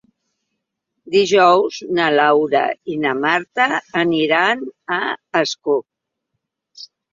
Dijous na Laura i na Marta aniran a Ascó.